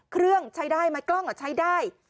เครื่องใช้ได้ไหมกล้องใช้ได้